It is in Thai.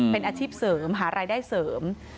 เป็นอาชีพเสริมหารายได้เสริม